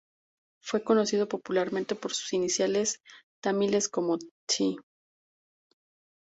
Fue conocido popularmente por sus iniciales tamiles como Thi.